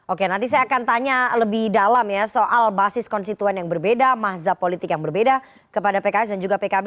oke nanti saya akan tanya lebih dalam ya soal basis konstituen yang berbeda mazhab politik yang berbeda kepada pks dan juga pkb